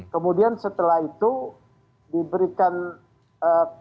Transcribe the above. kemudian setelah itu diberikan kesempatan